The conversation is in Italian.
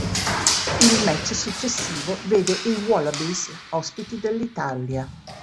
Il match successivo vede i Wallabies ospiti dell'Italia.